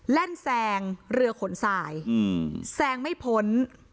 แล่นแซงเรือขนทรายแซงไม่พ้น